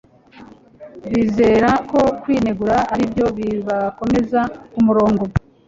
bizera ko kwinegura aribyo bibakomeza kumurongo